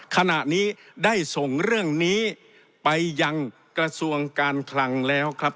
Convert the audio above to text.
ขณะนี้ได้ส่งเรื่องนี้ไปยังกระทรวงการคลังแล้วครับ